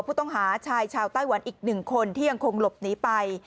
ผู้ต้องหาชายชาวไต้หวันอีก๑คนที่ยังคงหลบหนีไป